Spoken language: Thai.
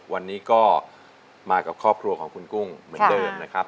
วันนี้ก็มากับครอบครัวของคุณกุ้งเหมือนเดิมนะครับ